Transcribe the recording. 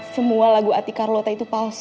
semua lagu ati carlota itu palsu